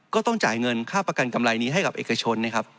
ก็ต้องจ่ายเงินค่าประกันกำไรนี้ให้กับเอกชนนะครับ